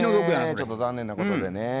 ちょっと残念なことでね。